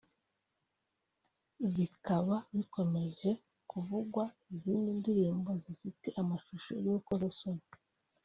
bikaba bikomeje kuvugwa izi ndirimbo zifite amashusho y’urukozasoni